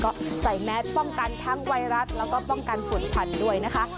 ก็ใส่แมสป้องกันทั้งไวรัสแล้วก็ป้องกันฝุ่นควันด้วยนะคะ